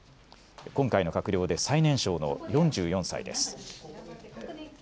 今回の閣僚で最年少の４４歳です。